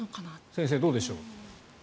先生、どうでしょう。